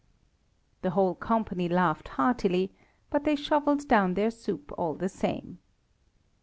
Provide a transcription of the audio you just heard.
'" The whole company laughed heartily, but they shovelled down their soup all the same.